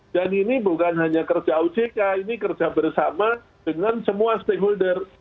dan ini bukan hanya kerja ojk ini kerja bersama dengan semua stakeholder